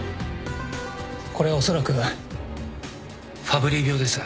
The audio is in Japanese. これはおそらくファブリー病です。